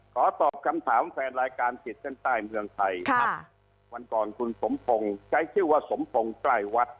ขอตอบคำถามแฟนรายการขีดเส้นใต้เมืองไทยครับวันก่อนคุณสมพงศ์ใช้ชื่อว่าสมพงศ์ใกล้วัด